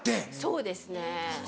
そうですね。